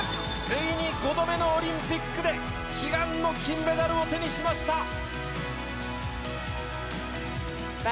ついに５度目のオリンピックで悲願の金メダルを手にしました！